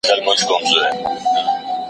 ما پخوا دا کتاب نه و لوستی.